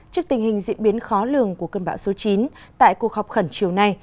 trước tình hình diễn biến khó lường của cơn bão số chín tại cuộc họp khẩn chiều nay